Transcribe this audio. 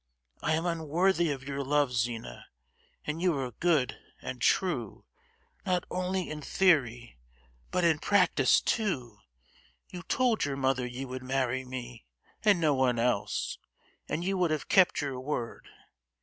I am unworthy of your love, Zina! And you were good and true, not only in theory, but in practice too! You told your mother you would marry me, and no one else, and you would have kept your word!